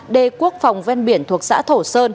đê quốc phòng ven biển thuộc xã thổ sơn